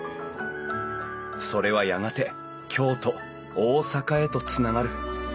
それはやがて京都大阪へとつながる。